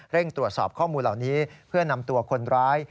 ตรวจสอบข้อมูลเหล่านี้เพื่อนำตัวคนร้าย